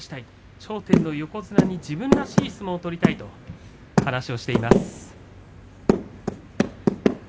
頂点の横綱に自分らしい相撲を取りたいと話しています。